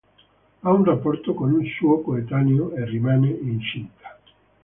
Ha un rapporto con un suo coetaneo e rimane incinta.